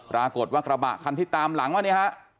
รากฏว่ากระบะคันที่ตามหลังว่านี้นะฮะ